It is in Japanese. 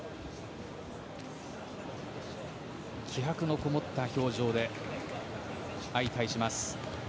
気迫のこもった表情で相対します。